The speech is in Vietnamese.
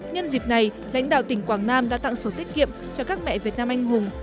nhân dịp này lãnh đạo tỉnh quảng nam đã tặng sổ tiết kiệm cho các mẹ việt nam anh hùng